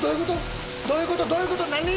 どういうことどういうこと何？